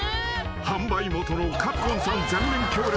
販売元のカプコンさん全面協力の下